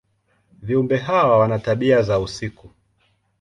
Viumbe hawa wana tabia za usiku.